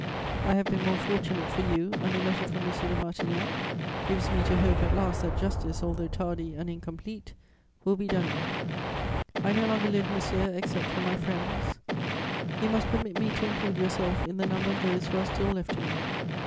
I have been more fortunate for you, and a letter from M. de Martignac gives me to hope at last that justice, although tardy and incomplete, will be done you. I no longer live, monsieur, except for my friends; you must permit me to include yourself in the number of those who are still left to me.